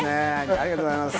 ありがとうございます。